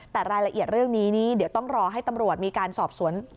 แต่รายละเอียดเรื่องนี้นี้เดี๋ยวต้องรอให้ตำรวจมีการสอบสวน